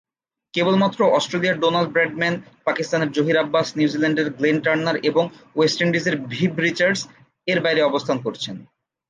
কেবলমাত্র অস্ট্রেলিয়ার Donald Bradman, পাকিস্তানের জহির আব্বাস, নিউজিল্যান্ডের গ্লেন টার্নার এবং ওয়েস্ট ইন্ডিজের ভিভ রিচার্ডস এর বাইরে অবস্থান করছেন।